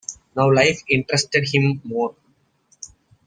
Now life interested him more.